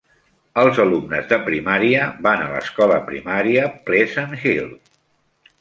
Els alumnes de primària van a l'escola primària Pleasant Hill.